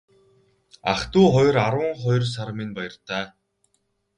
Ах дүү арван хоёр сар минь баяртай.